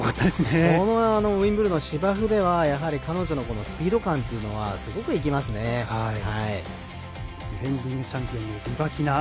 このウィンブルドン、芝生ではやはり彼女のスピード感というのはディフェンディングチャンピオンのリバキナ。